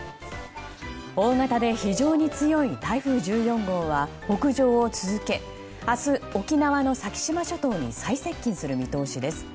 大型で非常に強い台風１４号は北上を続け明日、沖縄の先島諸島に最接近する見通しです。